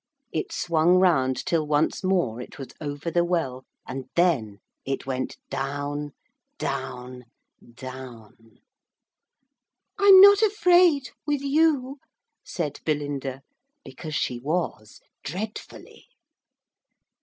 It swung round till once more it was over the well, and then it went down, down, down. 'I'm not afraid, with you,' said Belinda, because she was, dreadfully.